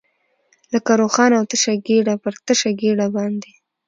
لکه روښانه او تشه ګېډه، پر تشه ګېډه باندې.